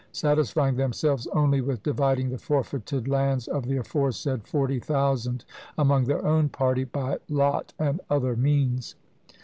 satisfying themselves only with dividing the forfeited lands of the aforesaid forty thousand among their own party, by lot and other means.